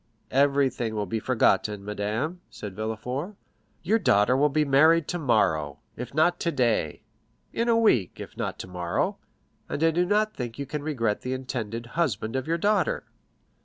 "Everything will be forgotten, madame," said Villefort. "Your daughter will be married tomorrow, if not today—in a week, if not tomorrow; and I do not think you can regret the intended husband of your daughter."